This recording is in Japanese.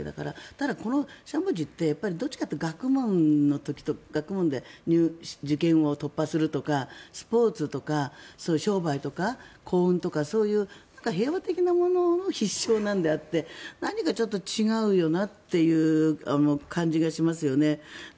ただ、このしゃもじってどちらかというと学問で受験を突破するとかスポーツとか商売とか幸運とか平和的なものの必勝なのであってちょっと違うよなという感じがしますよね。